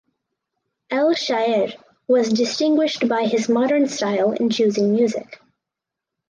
El Shaer was distinguished by his modern style in choosing music.